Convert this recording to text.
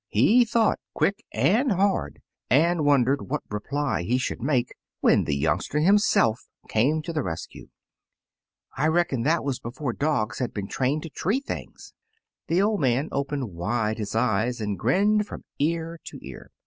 He thought quick and hard, and wondered what reply he should make, when the youngster him self came to the rescue. "I reckon that 64 Taily Po was before dogs had been trained to tree things." The old man opened wide his eyes, and grinned from ear to ear.